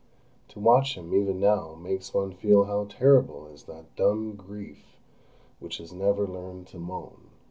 To watch him even now makes one feel how terrible is that dumb grief which has never learned to moan.